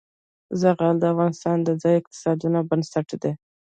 زغال د افغانستان د ځایي اقتصادونو بنسټ دی.